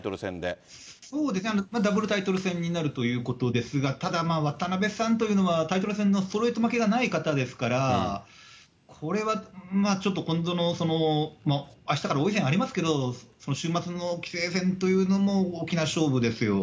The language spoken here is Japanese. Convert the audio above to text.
そうですね、ダブルタイトル戦になるということですが、ただ渡辺さんというのは、タイトル戦のストレート負けがない方ですから、これはちょっと今後のあしたから王位戦ありますけど、その週末の棋聖戦というのも大きな勝負ですよ。